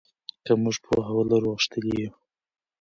که موږ پوهه ولرو غښتلي یو.